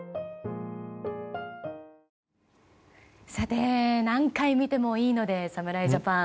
さて、何回見てもいいので侍ジャパン。